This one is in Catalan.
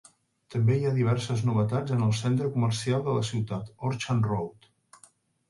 També hi ha diverses novetats en el centre comercial de la ciutat, Orchard Road.